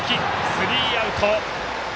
スリーアウト。